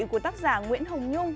của tác giả nguyễn hồng nhung